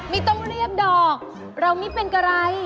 ไม่ต้องเรียบดอกเราไม่เป็นอะไร